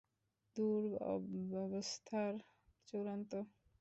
দুরবস্থার চূড়ান্ত পরিণতি হিসেবে অবশেষে ওয়ানডে মর্যাদাটাও হারাল পূর্ব আফ্রিকার দেশটি।